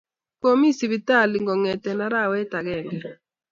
Komi siptali kongete arawet agenge